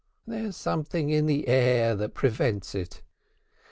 There's something in the air that prevents it.